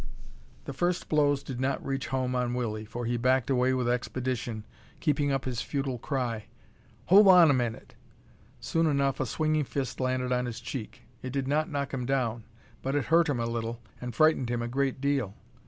The first blows did not reach home on Willie, for he backed away with expedition, keeping up his futile cry, "Hol' on a minute." Soon enough a swinging fist landed on his cheek. It did not knock him down, but it hurt him a little and frightened him a great deal.